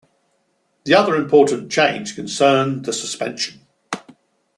The other important change concerned the suspension.